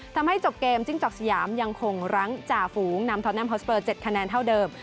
ทำให้จบเกมจิ้งจอกสยามยังคงรั้งจ่าฝูงนำทอนแมมฮอสเปอร์๗คะแนนเท่าเดิม